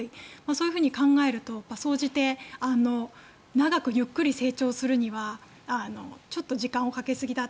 そう考えると総じて長くゆっくり成長するにはちょっと時間をかけすぎだ。